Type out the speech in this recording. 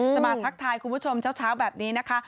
มาทักทายคุณผู้ชมเช้าแบบนี้นะคะ